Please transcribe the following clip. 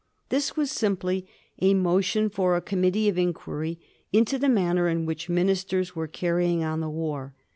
This was simply a motion for a committee of inquiry into the manner in which ministers were carrying on the war.